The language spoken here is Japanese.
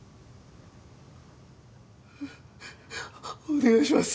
お願いします。